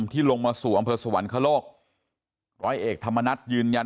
ที่ลงมาสู่อำเภอสวรรคโลกร้อยเอกธรรมนัฏยืนยัน